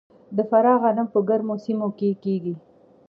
د فراه غنم په ګرمو سیمو کې کیږي.